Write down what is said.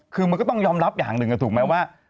คือมันก็ต้องยอมรับอย่างหนึ่งถูกไหมว่า